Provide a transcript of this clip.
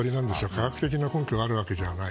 科学的な根拠があるわけじゃない。